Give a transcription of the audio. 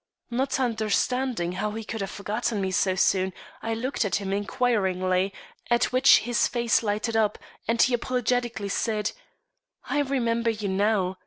Not understanding how he could have forgotten me so soon, I looked at him inquiringly, at which his face lighted up, and he apologetically said: "I remember you now.